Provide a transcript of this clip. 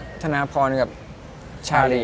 อัลเบิร์ดนีน่าดาลินวันเพลว่าน่าจะเกิดวันเพลใช่ไหม